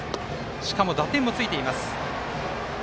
しかも打点もついています。